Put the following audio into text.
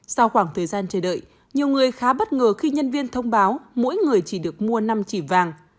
sau khoảng thời gian chờ đợi nhiều người khá bất ngờ khi nhân viên thông báo mỗi người chỉ được mua năm chỉ vàng